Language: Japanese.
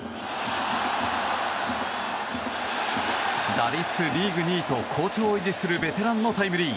打率リーグ２位と好調を維持するベテランのタイムリー。